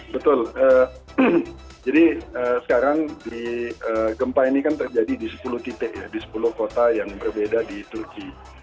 betul jadi sekarang gempa ini kan terjadi di sepuluh titik ya di sepuluh kota yang berbeda di turki